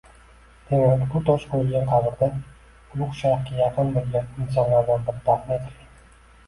Demak, bu tosh qoʻyilgan qabrda ulugʻ shayxga yaqin boʻlgan insonlardan biri dafn etilgan